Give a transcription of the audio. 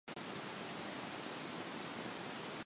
There is a central rise in the midpoint of the crater floor.